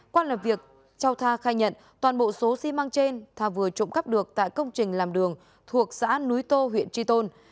qua làm việc trao tha khai nhận toàn bộ số xi măng trên tha vừa trộm cắp được tại công trình làm đường thuộc xã núi tô huyện tri tôn